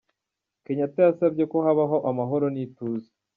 Kenyatta yasabye ko habaho amahoro n’ituze.